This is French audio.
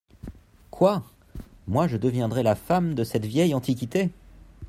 Quoi ! moi, je deviendrais la femme De cette vieille antiquité !